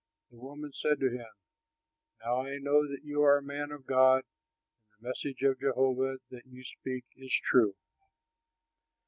The woman said to him, "Now I know that you are a man of God and that the message of Jehovah that you speak is true."